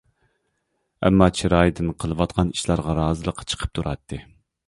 ئەمما، چىرايىدىن قىلىۋاتقان ئىشلارغا رازىلىقى چىقىپ تۇراتتى.